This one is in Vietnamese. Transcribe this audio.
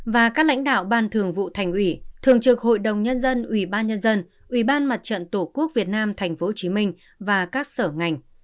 và các lãnh đạo ban thường vụ thành ủy thường trực hội đồng nhân dân ủy ban nhân dân ủy ban mặt trận tổ quốc việt nam tp hcm và các sở ngành